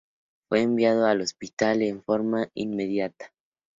Fue enviado al hospital en forma inmediata.